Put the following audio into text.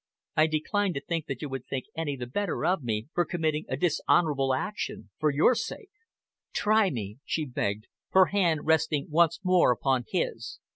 "I decline to think that you would think any the better of me for committing a dishonourable action for your sake." "Try me," she begged, her hand resting once more upon his.